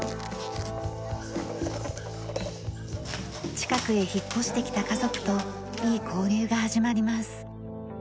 近くへ引っ越してきた家族といい交流が始まります。